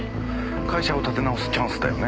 会社を立て直すチャンスだよね。